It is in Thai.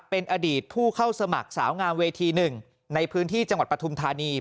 เป็นอดีตผู้เข้าสมัครสาวงามเวทีหนึ่งในพื้นที่จังหวัดปฐุมธานี